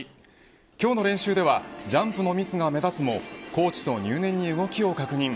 今日の練習ではジャンプのミスが目立つもコーチと入念に動きを確認。